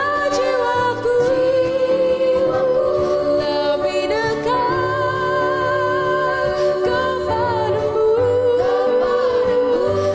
tuhan angkatlah jiwaku lebih dekat kepadamu